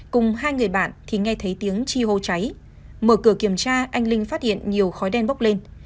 cùng hai người bạn thì nghe thấy tiếng chi hô cháy mở cửa kiểm tra anh linh phát hiện nhiều khói đen bốc lên